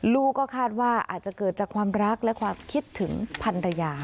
ลูกก็คาดว่าอาจจะเกิดจากความรักและความคิดถึงพันรยา